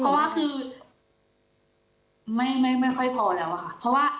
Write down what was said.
เพราะว่าคือไม่ค่อยพอแล้วค่ะ